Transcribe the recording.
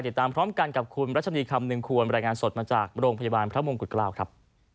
ติดตามพร้อมกันกับคุณรัชนีคำหนึ่งควรบรรยายงานสดมาจากโรงพยาบาลพระมงกุฎเกล้าครับ